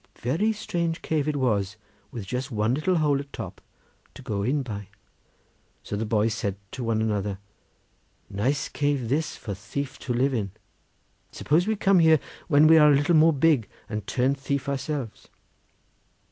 Very strange cave it was, with just one little hole at top to go in by. So the boys said to one another, 'Nice cave this for thief to live in. Suppose we come here when we are a little more big and turn thief ourselves.